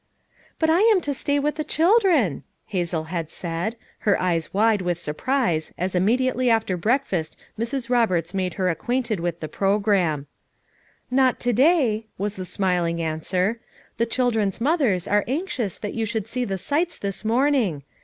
"But I am to stay with the children!" Hazel had said, her eyes wide with surprise as im mediately after breakfast Mrs. Roberts made her acquainted with the program. "Not to day," was the smiling answer. "The children's mothers are anxious that you should see the sights this morning.